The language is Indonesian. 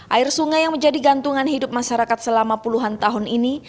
air sungai yang menjadi gantungan hidup masyarakat selama puluhan tahun ini